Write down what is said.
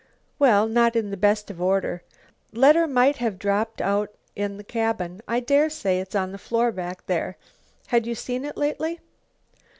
"Well, not in the best of order. Letter might have dropped out in the cabin. I dare say it's on the floor back there. Had you seen it lately?"